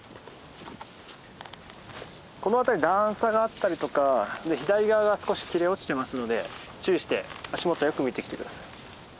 この辺り段差があったりとか左側が少し切れ落ちてますので注意して足元をよく見て来て下さい。